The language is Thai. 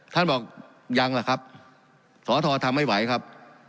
ท่านบอกยังล่ะครับสอทอทำไม่ไหวครับ